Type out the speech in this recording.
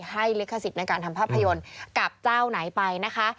ลิขสิทธิ์ในการทำภาพยนตร์กับเจ้าไหนไปนะคะ